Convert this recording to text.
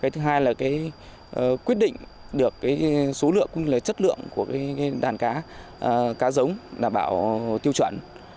thứ hai là quyết định được số lượng chất lượng của đàn cá giống đảm bảo tiêu chuẩn